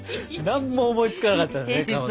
何も思いつかなかったんだねかまど。